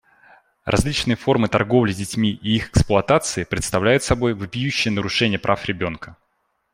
Различные формы торговли детьми и их эксплуатации представляют собой вопиющие нарушения прав ребенка.